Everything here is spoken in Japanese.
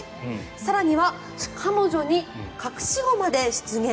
更には彼女に、隠し子まで出現。